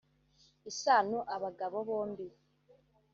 Isano abagabo bombi